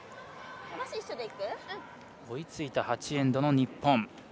追いついた８エンドの日本。